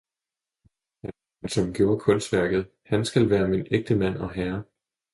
Han, som gjorde kunstværket, han skal være min ægtemand og herre!